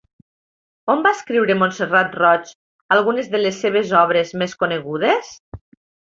On va escriure Montserrat Roig algunes de les seves obres més conegudes?